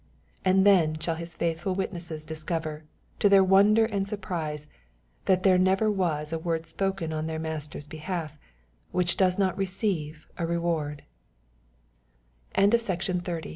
And then shall His faithful witnesses discover, to their wonder and surprise, that there never was a word spoken on their Master's behalf, which does not receive